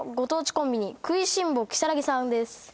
コンビニくいしんぼ如月さんです